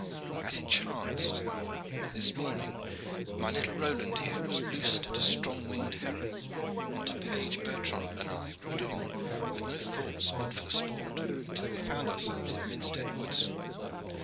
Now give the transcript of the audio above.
As it chanced, however, this morning my little Roland here was loosed at a strong winged heron, and page Bertrand and I rode on, with no thoughts but for the sport, until we found ourselves in Minstead woods.